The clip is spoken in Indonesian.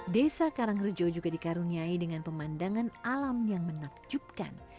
desa karangrejo juga dikaruniai dengan pemandangan alam yang menakjubkan